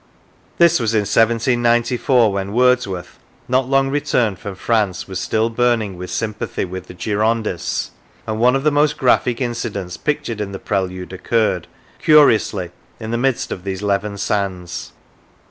157 Lancashire This was in 1794, when Wordsworth, not long returned from France, was still burning with sympathy with the Girondists, and one of the most graphic incidents pictured in the Prelude occurred, curiously, in the midst of these Leven sands.